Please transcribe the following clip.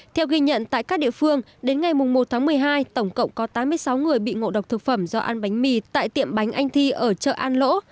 theo ghi nhận tại các địa phương đến ngày một tháng một mươi hai tổng cộng có tám mươi sáu người bị ngộ độc thực phẩm do ăn bánh mì tại tiệm bánh anh thi ở chợ an lỗ